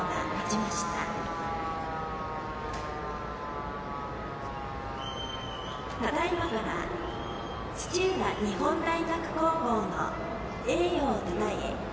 ただいまから土浦日本大学高校の栄誉をたたえ